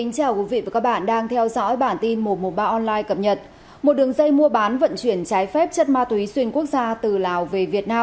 cảm ơn các bạn đã theo dõi